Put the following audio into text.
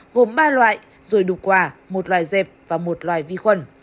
gồm ba loại rồi đủ quả một loại dẹp và một loại vi khuẩn